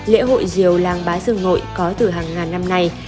lễ hội diều làng bá dương nội có từ hàng ngàn năm nay